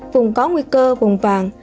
vùng có nguy cơ vùng vàng